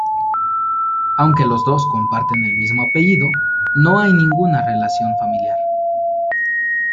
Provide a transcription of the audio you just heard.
Aunque los dos comparten el mismo apellido, no hay ninguna relación familiar.